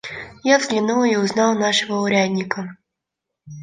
Я взглянул и узнал нашего урядника.